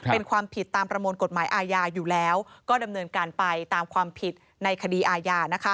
เป็นความผิดตามประมวลกฎหมายอาญาอยู่แล้วก็ดำเนินการไปตามความผิดในคดีอาญา